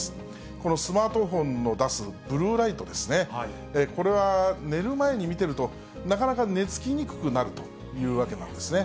このスマートフォンの出すブルーライトですね、これは寝る前に見ていると、なかなか寝付きにくくなるということなんですね。